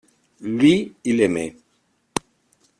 Lui, il aimait.